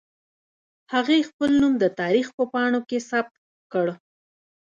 هغې خپل نوم د تاريخ په پاڼو کې ثبت کړ.